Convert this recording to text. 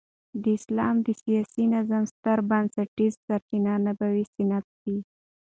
د اسلام د سیاسي نظام ستره بنسټيزه سرچینه نبوي سنت دي.